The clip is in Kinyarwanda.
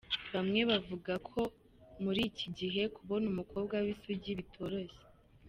Bamwe bavuga ko muri iki gihe kubona umukobwa w’isugi bitoroshye.